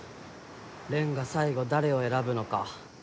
蓮が最後誰を選ぶのか。